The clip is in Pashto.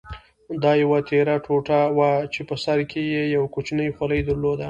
دا یوه تېره ټوټه وه چې په سر کې یې یو کوچنی خولۍ درلوده.